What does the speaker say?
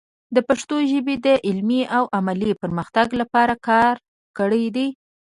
د پښتو ژبې د علمي او عملي پرمختګ لپاره کار کړی دی.